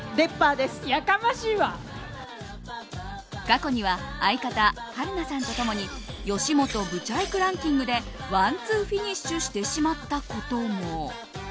過去には相方・春菜さんと共によしもとぶちゃいくランキングでワンツーフィニッシュしてしまったことも。